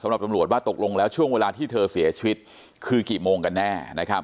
สำหรับตำรวจว่าตกลงแล้วช่วงเวลาที่เธอเสียชีวิตคือกี่โมงกันแน่